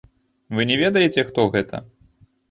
Вы не ведаеце, хто гэта?